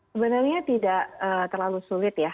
sebenarnya tidak terlalu sulit ya